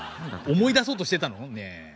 思い出そうとしてたのねえ？